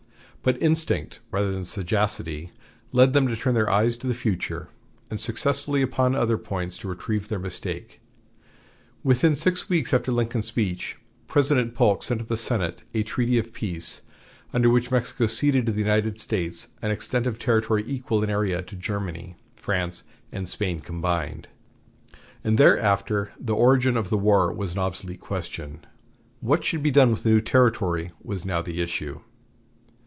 But instinct rather than sagacity led them to turn their eyes to the future, and successfully upon other points to retrieve their mistake. Within six weeks after Lincoln's speech President Polk sent to the Senate a treaty of peace, under which Mexico ceded to the United States an extent of territory equal in area to Germany, France, and Spain combined, and thereafter the origin of the war was an obsolete question. What should be done with the new territory was now the issue.